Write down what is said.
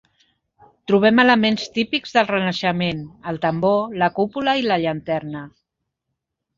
Trobem elements típics del Renaixement: el tambor, la cúpula i la llanterna.